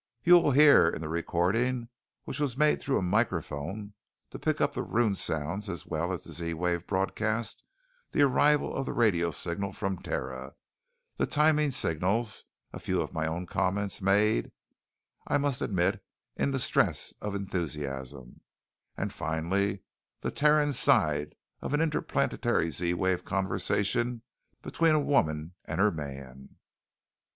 You will hear, in the recording, which was made through a microphone to pick up the room sounds as well as the Z wave broadcast, the arrival of the radio signal from Terra, the timing signals, a few of my own comments made, I must admit, in the stress of enthusiasm, and finally, the terran side of an interplanetary Z wave conversation between a woman and her man.